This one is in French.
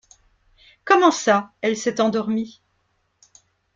Comment ça elle s'est endormie?